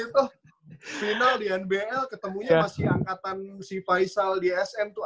tuh final di nbl ketemunya masih angkatan si faisal di sn tuh